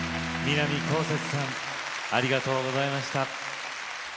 南こうせつさんありがとうございました。